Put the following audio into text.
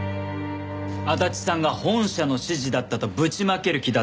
足立さんが本社の指示だったとぶちまける気だったとしたら。